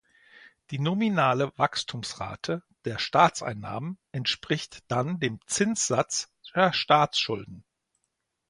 Die nominale Wachstumsrate der Staatseinnahmen entspricht dann dem Zinssatz der Staatsschulden.